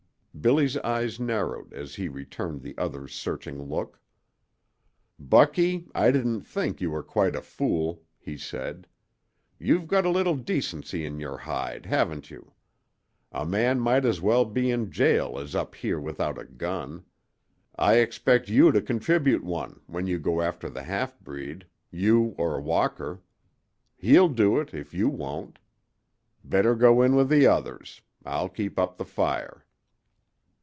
Billy's eyes narrowed as he returned the other's searching look. "Bucky, I didn't think you were quite a fool," he said. "You've got a little decency in your hide, haven't you? A man might as well be in jail as up here without a gun. I expect you to contribute one when you go after the half breed you or Walker. He'll do it if you won't. Better go in with the others. I'll keep up the fire."